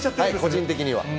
個人的には。